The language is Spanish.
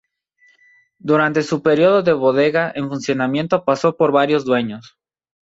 Durante su periodo de bodega en funcionamiento pasó por varios dueños.